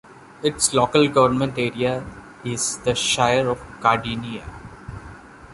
Its local government area is the Shire of Cardinia.